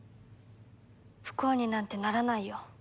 不幸になんてならないよ。